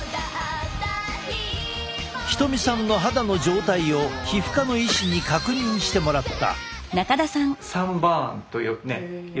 瞳さんの肌の状態を皮膚科の医師に確認してもらった。